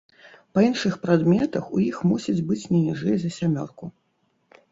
Па іншых прадметах у іх мусіць быць не ніжэй за сямёрку.